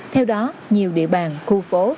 theo đó nhiều địa bàn khu phố